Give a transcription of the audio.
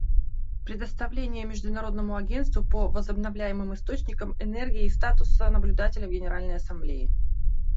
Предоставление Международному агентству по возобновляемым источникам энергии статуса наблюдателя в Генеральной Ассамблее.